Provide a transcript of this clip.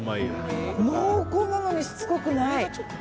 濃厚なのにしつこくない。